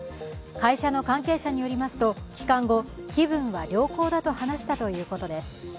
会社の関係者によりますと、帰還後気分は良好だと話したということです。